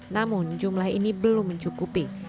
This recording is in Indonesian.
namun jumlah ini belum mencukupi